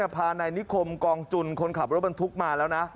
พานายนิคมกองจุนคนขับรถบรรทุกมาแล้วนะ